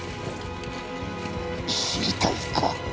知りたいか？